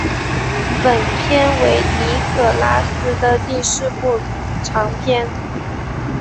本片为尼可拉斯的第四部长片。